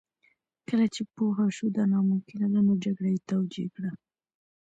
کله چې پوه شو دا ناممکنه ده نو جګړه یې توجیه کړه